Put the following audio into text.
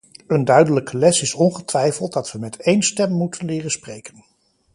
Een duidelijke les is ongetwijfeld dat we met één stem moeten leren spreken.